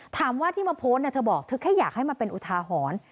ถามว่าที่มาโพสต์เนี่ยเธอบอกเธอแค่อยากให้มาเป็นอุทาหรณ์